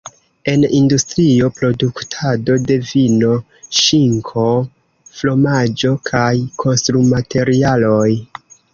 En industrio, produktado de vino, ŝinko, fromaĝo, kaj konstrumaterialoj.